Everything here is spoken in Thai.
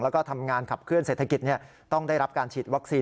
แล้วก็ทำงานขับเคลื่อเศรษฐกิจต้องได้รับการฉีดวัคซีน